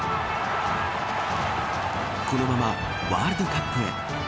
このままワールドカップへ。